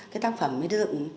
cái tác phẩm mới được